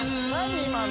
今の。